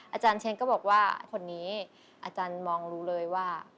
อาจารย์เชนก็บอกว่าคนนี้อาจารย์มองรู้เลยว่า